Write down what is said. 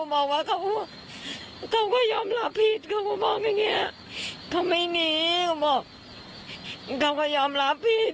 บอกว่าเค้าก็ยอมรับผิด